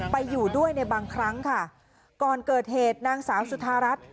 ไปอยู่ด้วยในบางครั้งค่ะก่อนเกิดเหตุนางสาวสุธารัฐ